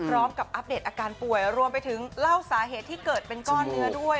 อัปเดตอาการป่วยรวมไปถึงเล่าสาเหตุที่เกิดเป็นก้อนเนื้อด้วย